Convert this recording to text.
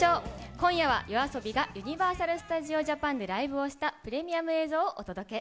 今夜はＹＯＡＳＯＢＩがユニバーサル・スタジオ・ジャパンでライブをしたプレミアム映像をお届け。